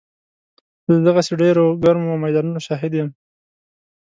زه د دغسې ډېرو ګرمو میدانونو شاهد یم.